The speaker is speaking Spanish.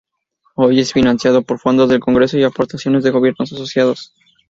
Hoy, es financiado por fondos del congreso y aportaciones de los gobiernos asociados.